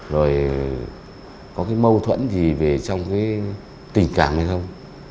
rồi có mâu thuẫn gì về trong tình cảm hay không